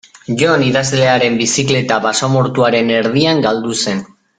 Jon idazlearen bizikleta basamortuaren erdian galdu zen.